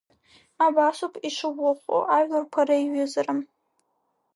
Абасоуп ишыӷәӷәахо ажәларқәа реиҩызара.